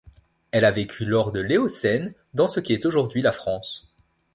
Elle a vécu lors de l’Éocène dans ce qui est aujourd’hui la France.